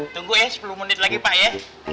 tunggu ya sepuluh menit lagi pak ya